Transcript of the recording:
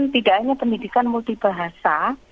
tidak hanya pendidikan multibahasa